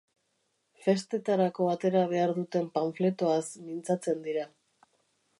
Festetarako atera behar duten panfletoaz mintzatzen dira.